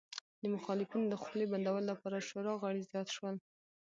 د مخالفینو د خولې بندولو لپاره شورا غړي زیات شول